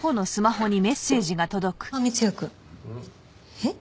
えっ？